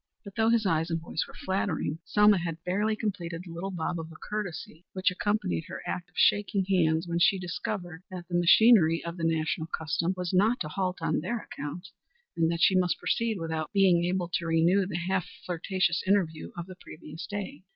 But though his eyes and voice were flattering, Selma had barely completed the little bob of a courtesy which accompanied her act of shaking hands when she discovered that the machinery of the national custom was not to halt on their account, and that she must proceed without being able to renew the half flirtatious interview of the previous day.